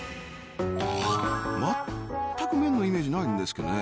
全く麺のイメージないんですけどね